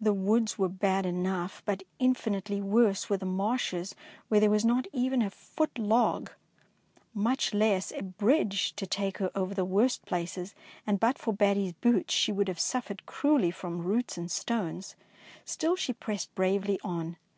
The woods were bad enough, but infinitely worse were the marshes where there was not even a foot log, much less a bridge to take her over the worst places, and but for Batty^s boots she would have suffered cruelly from roots and stones. Still she pressed bravely on.